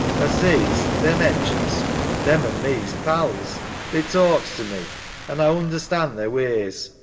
Tha sees, them engines, them an' me's pals. They talks to me an' A understands their ways.